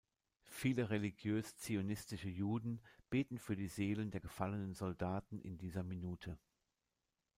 Viele religiös-zionistische Juden beten für die Seelen der gefallenen Soldaten in dieser Minute.